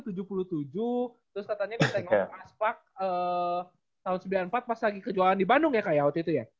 terus katanya kakak yang ngomong asfak tahun sembilan puluh empat pas lagi kejualan di bandung ya kak ya waktu itu ya